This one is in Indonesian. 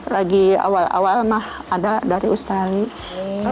lagi awal awal mah ada dari australia